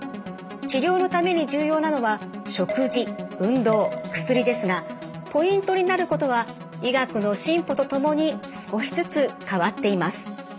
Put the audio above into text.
治療のために重要なのは食事運動薬ですがポイントになることは医学の進歩とともに少しずつ変わっています。